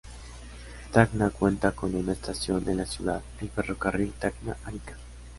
Tacna cuenta con una estación en la ciudad, el Ferrocarril Tacna-Arica.